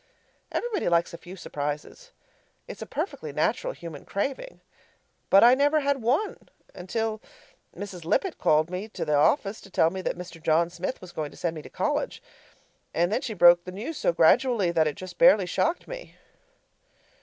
Everybody likes a few surprises; it's a perfectly natural human craving. But I never had one until Mrs. Lippett called me to the office to tell me that Mr. John Smith was going to send me to college. And then she broke the news so gradually that it just barely shocked me.